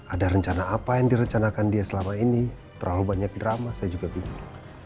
ada rencana apa yang direncanakan dia selama ini terlalu banyak drama saya juga bingung